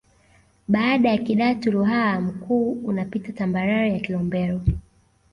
Baada ya Kidatu Ruaha Mkuu unapita tambarare ya Kilombero